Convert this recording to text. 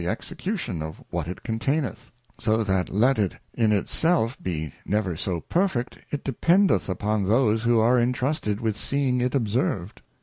execution of what it containeth; so that let it in it self be never so perfect, it dependeth upon those who are intrusted with seeing it observed.